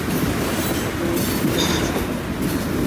তাকেও তুলে এনেছেন?